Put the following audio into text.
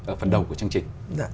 ở phần đầu của chương trình